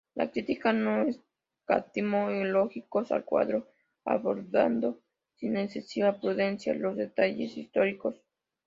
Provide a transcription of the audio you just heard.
La crítica no escatimó elogios al cuadro, abordando sin excesiva prudencia los detalles históricos.